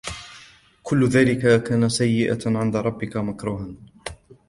كل ذلك كان سيئه عند ربك مكروها